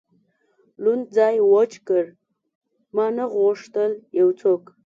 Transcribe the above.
لوند ځای وچ کړ، ما نه غوښتل یو څوک.